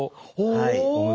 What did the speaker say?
はい。